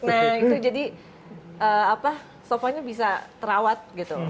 nah itu jadi sofanya bisa terawat gitu